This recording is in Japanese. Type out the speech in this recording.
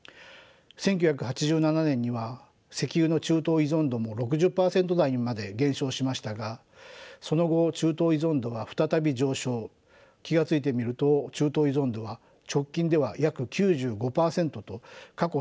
１９８７年には石油の中東依存度も６０％台にまで減少しましたがその後中東依存度が再び上昇気が付いてみると中東依存度は直近では約９５％と過去最高を記録しています。